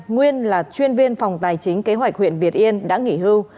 nguyên là chuyên viên phòng tài chính kế hoạch huyện việt yên đã nghỉ hưu